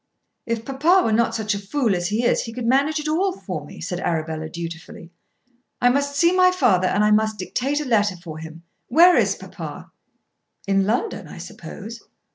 "If papa were not such a fool as he is, he could manage it all for me," said Arabella dutifully. "I must see my father and I must dictate a letter for him. Where is papa?" "In London, I suppose."